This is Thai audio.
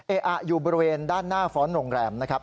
อยู่บริเวณด้านหน้าฟ้อนโรงแรมนะครับ